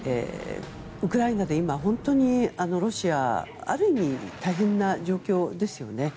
ウクライナで今、本当にロシアある意味、大変な状況ですよね。